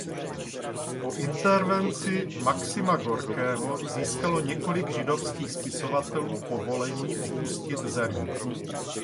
Po intervenci Maxima Gorkého získalo několik židovských spisovatelů povolení opustit zemi.